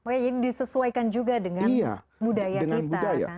pokoknya ini disesuaikan juga dengan budaya kita